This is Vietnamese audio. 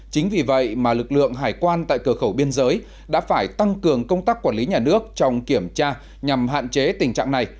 chính vì vậy mà lực lượng hải quan tại cửa khẩu biên giới đã phải tăng cường công tác quản lý nhà nước trong kiểm tra nhằm hạn chế tình trạng này